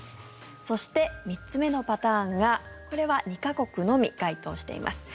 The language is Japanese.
そして、３つ目のパターンがこれは２か国のみ該当しています。